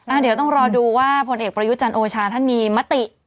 เดี๋ยวต้องรอดูว่าผลเอกประยุจันทร์โอชาท่านมีมติ